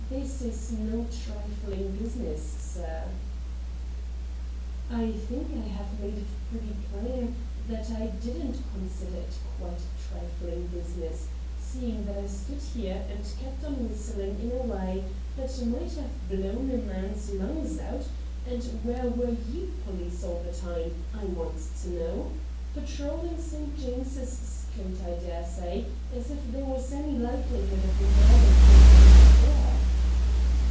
' This is no trifling business, sir.' * I think I have made it pretty plain that I didn't consider it quite a trifling business, seeing that I stood here and kept on whisthng in a way that might have blown a man's lungs out — and where were you police all the time, I want to know .^ Patrolling St. James's Street, I dare say — as if there was any likelihood of a murder being committed there